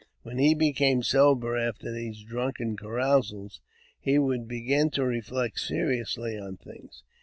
When he became sober after these drunken carousals, he would begin to reflect seriously on things.